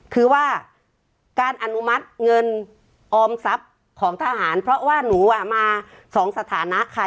คือว่าการอนุมัติเงินออมทรัพย์ของทหารเพราะว่าหนูอ่ะมาสองสถานะค่ะ